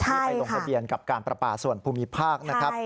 ไปลงทะเบียนกับการประปาส่วนภูมิภาคนะครับ